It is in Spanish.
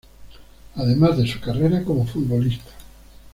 Ademas de su carrera como futbolista.